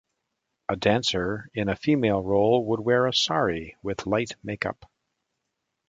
A dancer in a female role would wear a "Sari" with light makeup.